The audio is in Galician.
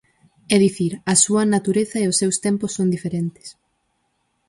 É dicir, a súa natureza e os seus tempos son diferentes.